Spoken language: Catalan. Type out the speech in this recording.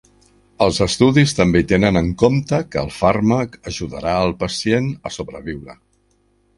Els estudis també tenen en compte que el fàrmac ajudarà el pacient a sobreviure.